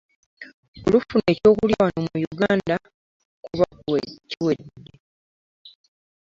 Olufuna eky'okulya wano mu Uganda kuba kiwedde